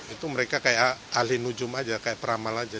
itu mereka kayak ahli nujum aja kayak peramal aja